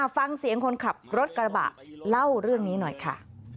ฟังเสียงคนขับรถกระบะเล่าเรื่องนี้หน่อยค่ะ